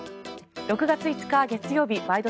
６月５日、月曜日「ワイド！